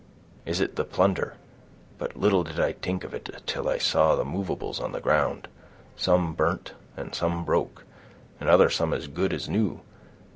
"Is it the plunder? But little did I t'ink of it till I saw the movables on the ground, some burnt, and some broke, and other some as good as new.